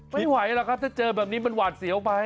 ไม่ไหวหรอกครับถ้าเจอแบบนี้มันหวาดเสียวไป